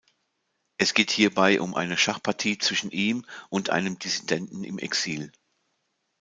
Es geht hierbei um eine Schachpartie zwischen ihm und einem Dissidenten im Exil.